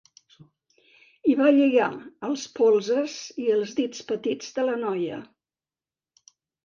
I va lligar els polzes i els dits petits de la noia.